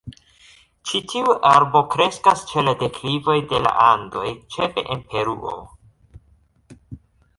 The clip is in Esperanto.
Ĉi tiu arbo kreskas ĉe la deklivoj de la Andoj, ĉefe en Peruo.